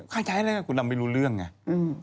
ใครใช้อะไรคุณทำไม่รู้เรื่องไง